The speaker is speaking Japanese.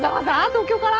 東京から？